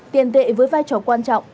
tiền tệ với vai trò quan trọng